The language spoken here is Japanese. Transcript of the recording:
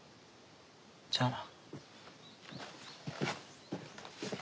じゃあな。